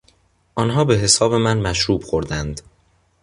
آنها به حساب من مشروب خوردند.